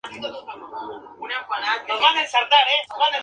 La combustión interna no estaba lejos de uso.